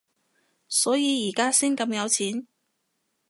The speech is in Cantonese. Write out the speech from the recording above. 所以而家先咁有錢？